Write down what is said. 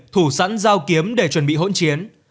thủ sẵn giao kiếm để chuẩn bị hỗn chiến